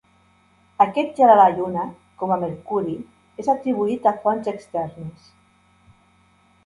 Aquest gel a la Lluna, com a Mercuri, és atribuït a fonts externes.